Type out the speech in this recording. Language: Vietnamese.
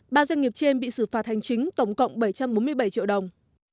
ba doanh nghiệp trên bị xử phạt hành chính tổng cộng bảy trăm bốn mươi bảy triệu đồng